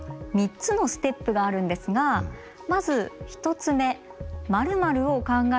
３つのステップがあるんですがまず１つ目「○○を考えてみよう！」。